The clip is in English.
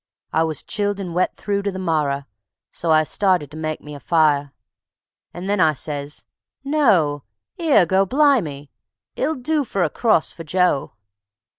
I was chilled and wet through to the marrer, so I started to make me a fire; And then I says: "No; 'ere, Goblimy, it'll do for a cross for Joe."